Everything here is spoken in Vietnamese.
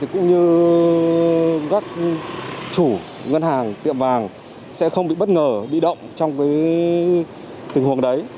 cũng như các chủ ngân hàng tiệm vàng sẽ không bị bất ngờ bị động trong tình huống đấy